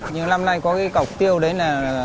nhưng năm nay có cái cọc tiêu đấy là